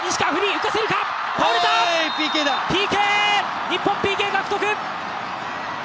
ＰＫ、日本ＰＫ獲得！